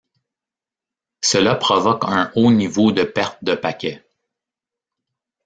Cela provoque un haut niveau de perte de paquets.